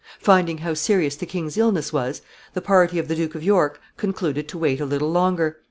Finding how serious the king's illness was, the party of the Duke of York concluded to wait a little longer.